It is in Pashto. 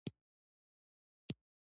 د چابهار بندر ولې مهم دی؟